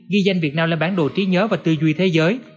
ghi danh việt nam lên bản đồ trí nhớ và tư duy thế giới